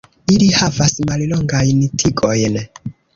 Ili havas mallongajn tigojn.